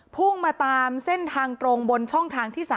พุ่งมาตามเส้นทางตรงบนช่องทางที่๓